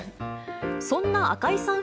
そんな赤井さん